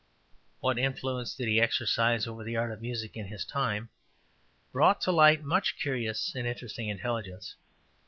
What influence did he exercise over the art of music in his time?' brought to light much curious and interesting intelligence.